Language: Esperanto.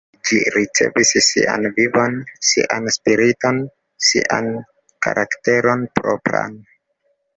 Ĝi ricevis sian vivon, sian spiriton, sian karakteron propran.